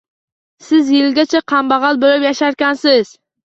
- Siz yilgacha kambag'al bo'lib yasharkansiz!